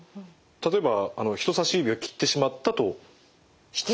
例えば人さし指を切ってしまったと想定してですね